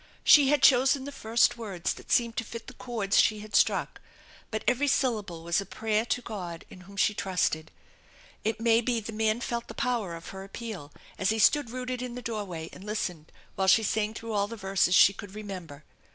She had chosen the first words that seemed to fit the chords she 272 THE ENCHANTED BARN had struck, but every syllable was a prayer to the G&d in whom she trusted. It may be the man felt the power of her appeal as he stood rooted in the doorway and listened while she sang through all the verses she could remember.